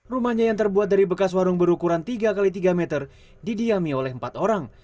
rumahnya yang terbuat dari bekas warung berukuran tiga x tiga meter didiami oleh empat orang